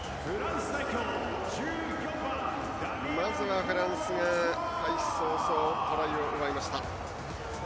まずはフランスが開始早々トライを奪いました。